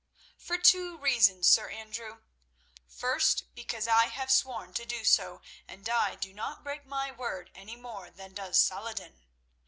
"For two reasons, Sir Andrew. First, because I have sworn to do so, and I do not break my word any more than does Saladin.